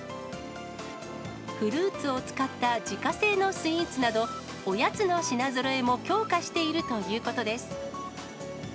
フルーツを使った自家製のスイーツなど、おやつの品ぞろえも強化しているということです。